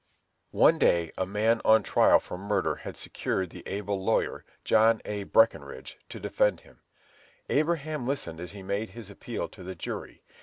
One day a man on trial for murder had secured the able lawyer, John A. Breckenridge, to defend him. Abraham listened as he made his appeal to the jury.